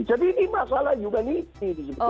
jadi ini masalah humanity